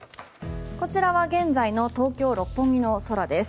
こちらは現在の東京・六本木の空です。